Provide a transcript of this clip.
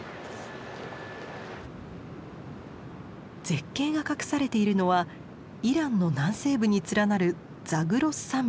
絶景が隠されているのはイランの南西部に連なる